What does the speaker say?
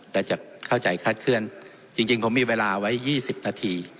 แต่จะเข้าใจคาดเคลื่อนจริงผมมีเวลาไว้๒๐นาที